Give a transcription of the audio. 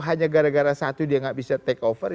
hanya gara gara satu dia nggak bisa take over